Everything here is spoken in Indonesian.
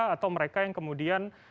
atau mereka yang kemudian